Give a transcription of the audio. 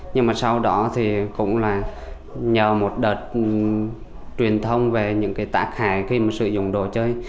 nhưng mà sau đó thì cũng là nhờ một đợt truyền thông về những cái tác hại khi mà sử dụng đồ chơi